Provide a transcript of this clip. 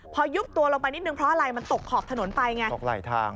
พอยุบตัวลงไปนิดนึงเพราะอะไรมันตกขอบถนนไปไงตกไหลทาง